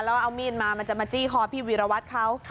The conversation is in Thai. แล้วก็เอามีดมามันจะมาจี้คอพี่วีรวัตรเขา